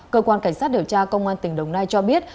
cơ quan cảnh sát điều tra công an tỉnh đồng nai cho biết